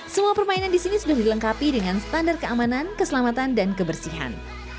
semua permainan di sini sudah dilengkapi dengan standar keamanan keselamatan dan kebersihan